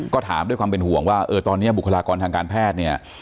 ก็ถามด้วยความเป็นห่วงว่าตอนนี้บุคลากรทางการแพทย์เนี่ย